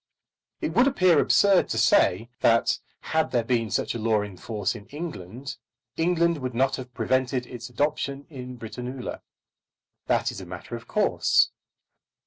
It would appear absurd to say that had there been such a law in force in England, England would not have prevented its adoption in Britannula. That is a matter of course.